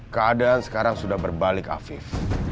keadaan sekarang sudah berbalik afif